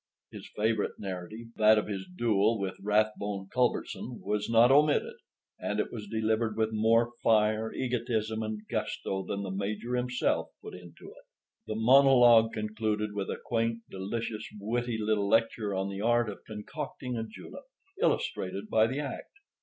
His favorite narrative—that of his duel with Rathbone Culbertson—was not omitted, and it was delivered with more fire, egotism, and gusto than the Major himself put into it. The monologue concluded with a quaint, delicious, witty little lecture on the art of concocting a julep, illustrated by the act.